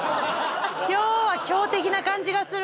今日は強敵な感じがする。